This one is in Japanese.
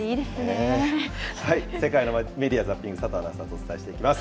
世界のメディア・ザッピング、佐藤アナウンサーとお伝えしていきます。